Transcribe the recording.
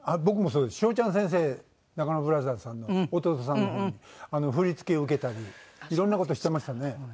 章ちゃん先生中野ブラザーズさんの弟さんの方に振り付けを受けたりいろんな事してましたね。